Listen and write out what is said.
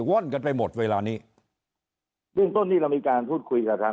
ว่อนกันไปหมดเวลานี้เบื้องต้นที่เรามีการพูดคุยกับทาง